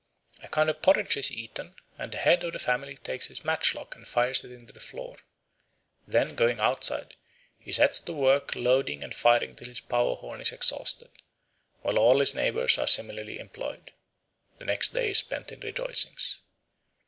A kind of porridge is eaten, and the head of the family takes his matchlock and fires it into the floor. Then, going outside, he sets to work loading and firing till his powder horn is exhausted, while all his neighbours are similarly employed. The next day is spent in rejoicings.